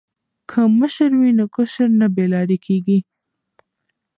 که مشر وي نو کشر نه بې لارې کیږي.